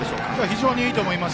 非常にいいと思います。